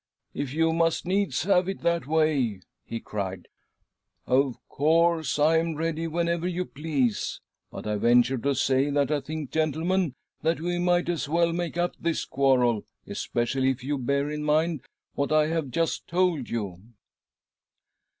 " If you must needs have it that way," he criedi. " of jcourse I am ready whenever you please ; but I venture to say that I think, gentlemen, that we might as well make up this quarrel, especially if you bear in mind what I have just told you."